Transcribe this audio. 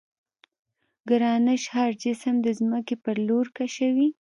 ګرانش هر جسم د ځمکې پر لور کشوي.